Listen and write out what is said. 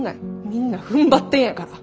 みんなふんばってるんやから。